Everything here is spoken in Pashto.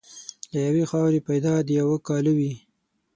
له یوې خاورې پیدا د یوه کاله وې.